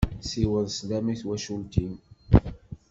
Siweḍ sslam i twacult-im.